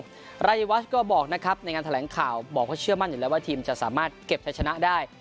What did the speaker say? รายวัชก็บอกนะครับในงานแถลงข่าวบอกว่าเชื่อมั่นอยู่แล้วว่าทีมจะสามารถเก็บใช้ชนะได้